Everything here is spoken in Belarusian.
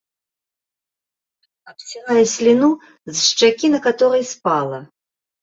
Абцірае сліну з шчакі, на каторай спала.